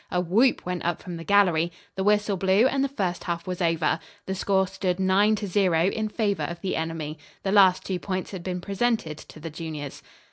A whoop went up from the gallery. The whistle blew and the first half was over. The score stood 9 to 0 in favor of the enemy. The last two points had been presented to the juniors.